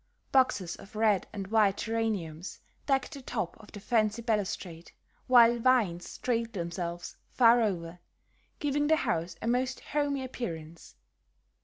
Boxes of red and white geraniums decked the top of the fancy balustrade, while vines trailed themselves far over, giving the house a most "homey" appearance.